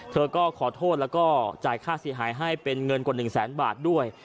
เธอก็ขอโทษแล้วก็จ่ายค่าเสียหายให้เป็นเงินกว่า๑แสนบาทด้วย